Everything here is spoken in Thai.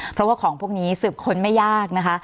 เพราะว่าของพวกนี้สืบค้นไม่ยากนะคะ